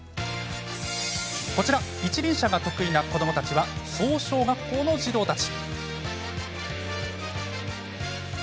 こちら、一輪車が得意な子どもたちは曽保小学校の児童たち。